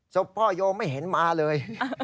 ศพพ่อโยมไม่เห็นมาเลย